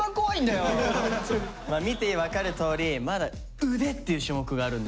見て分かるとおりまだ腕っていう種目があるんですよ。